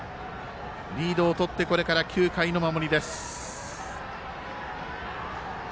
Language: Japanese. リードを取ってこれから９回の守りです。